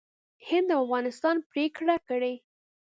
هند او افغانستان پرېکړه کړې